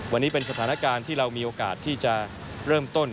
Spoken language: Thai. วันนี้เป็นสถานการณ์ที่เรามีโอกาสที่จะเริ่มต้น